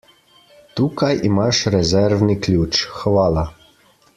Tukaj imaš rezervni ključ, hvala.